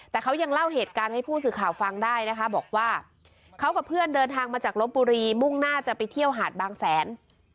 แต่เขายังเล่าเหตุการณ์ให้ผู้สื่อข่าวฟังได้นะคะบอกว่าเขากับเพื่อนเดินทางมาจากลบบุรีมุ่งหน้าจะไปเที่ยวหาดบางแสน